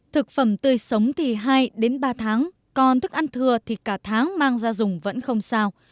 thực phẩm tươi sống thì hai đến ba tháng còn thức ăn thừa thì cả tháng mang ra dùng vẫn không sao